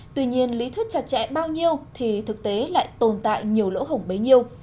tuy nhiên lý thuyết chặt chẽ bao nhiêu thì thực tế lại tồn tại nhiều lỗ hổng bấy nhiêu